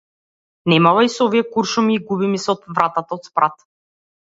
Не мавај со овие куршуми и губи ми се од вратата од спрат!